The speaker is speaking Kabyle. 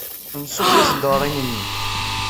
Nṣubb tiseddaṛin-nni.